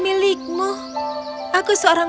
milikmu aku seorang